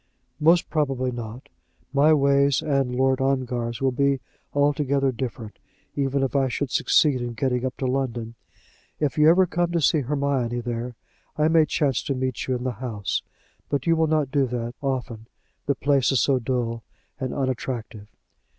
"Most probably not. My ways and Lord Ongar's will be altogether different, even if I should succeed in getting up to London. If you ever come to see Hermione here, I may chance to meet you in the house. But you will not do that often, the place is so dull and unattractive."